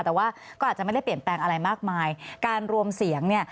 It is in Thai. แต่ว่าก็อาจจะไม่ได้เปลี่ยนแปลงอะไรมากมายการรวมเสียงเนี่ย